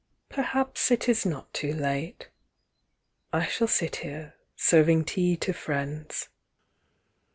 Perhaps it is not too late. I shall sit here, serving tea to friends."